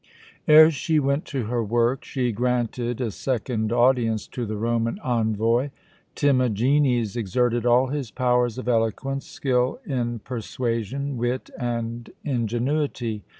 Ere she went to her work she granted a second audience to the Roman envoy. Timagenes exerted all his powers of eloquence, skill in persuasion, wit, and ingenuity.